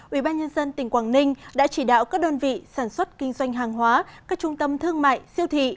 ubnd tỉnh quảng ninh đã chỉ đạo các đơn vị sản xuất kinh doanh hàng hóa các trung tâm thương mại siêu thị